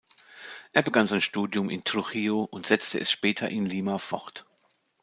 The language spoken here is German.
Er begann sein Studium in Trujillo und setzte es später in Lima fort.